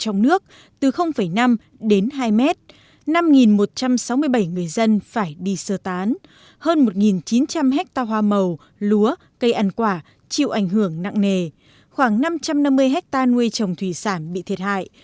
nguyên liệu ảnh hưởng nặng nề khoảng năm trăm năm mươi hectare nuôi trồng thủy sản bị thiệt hại